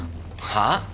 はあ？